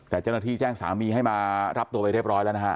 แต่เจ้าหน้าที่แจ้งสามีให้มารับตัวไปเรียบร้อยแล้วนะฮะ